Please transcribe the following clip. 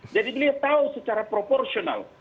jadi beliau tahu secara proporsional